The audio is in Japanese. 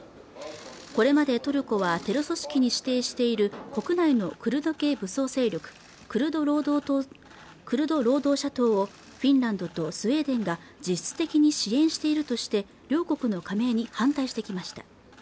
これまでトルコはテロ組織に指定している国内のクルド系武装勢力クルド労働者党をフィンランドとスウェーデンが実質的に支援しているとして両国の加盟に反対してきました